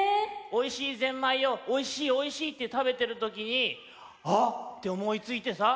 おいしいぜんまいを「おいしいおいしい」って食べてるときにあ！っておもいついてさ。